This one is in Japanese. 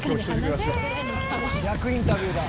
「逆インタビューだ」